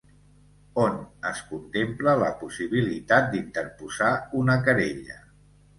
On es contempla la possibilitat d'interposar una querella?